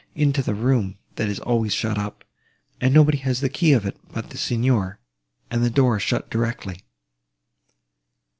into the room, that is always shut up, and nobody has the key of it but the Signor, and the door shut directly."